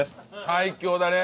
最強だね。